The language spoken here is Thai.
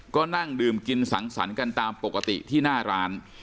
ก็นั่งดื่มกินสังสรรค์กันตามปกติที่หน้าร้าน